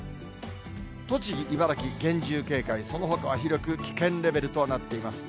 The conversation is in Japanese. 栃木、茨城、厳重警戒、そのほかは広く危険レベルとなっています。